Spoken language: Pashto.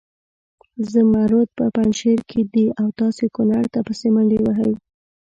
زمرود په پنجشیر کې دي او تاسې کنړ ته پسې منډې وهئ.